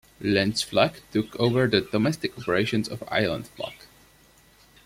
Landsflug took over the domestic operations of Islandsflug.